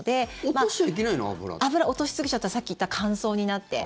脂を落としすぎちゃうとさっき言った乾燥になって。